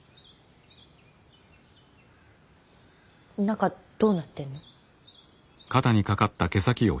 中どうなってんの。